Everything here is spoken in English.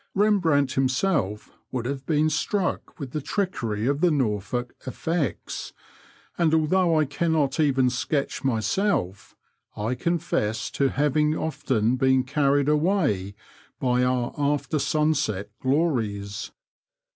Rembrandt him self would have been struck with the trickery of the Norfolk effects,'* and although I cannot even sketch myself, I confess to having often been carried away by our after sunset glories.